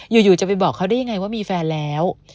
อยู่จะไปบอกเขาได้ยังไงว่ามีแฟนแล้ว